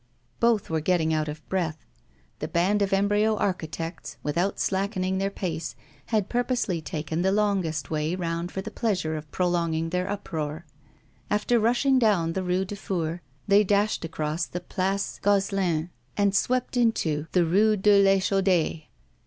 Both were getting out of breath. The band of embryo architects, without slackening their pace, had purposely taken the longest way round for the pleasure of prolonging their uproar. After rushing down the Rue du Four, they dashed across the Place Gozlin and swept into the Rue de l'Echaude.